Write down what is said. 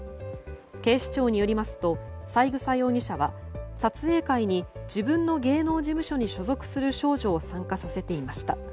警視庁によりますと三枝容疑者は、撮影会に自分の芸能事務所に所属する少女を参加させていました。